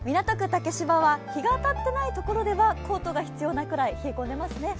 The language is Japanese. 竹芝は日が当たっていないところではコートが必要なぐらい冷え込んでいますね。